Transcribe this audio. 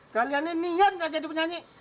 kalian ini niat gak jadi penyanyi